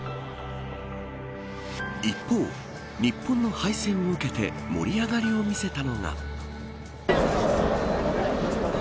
一方、日本の敗戦を受けて盛り上がりを見せたのが。